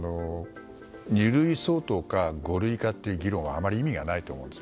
二類相当か五類かっていう議論はあまり意味がないと思うんです。